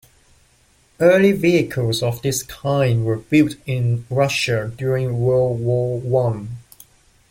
Early vehicles of this kind were built in Russia during World War I.